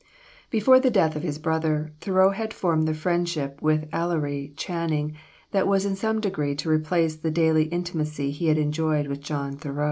Before the death of his brother, Thoreau had formed the friendship with Ellery Channing, that was in some degree to replace the daily intimacy he had enjoyed with John Thoreau.